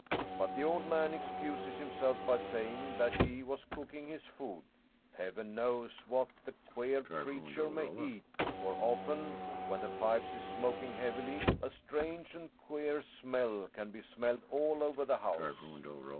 But the old man excuses himself by saying that he was cooking his food. Heaven knows what the queer creature may eat, for often, when the pipe is smoking heavily, a strange and queer smell can be smelled all over the house."